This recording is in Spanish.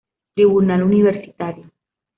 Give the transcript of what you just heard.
Tribunal Universitario.